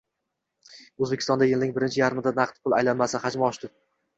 O‘zbekistonda yilning birinchi yarmida naqd pul aylanmasi hajmi oshdi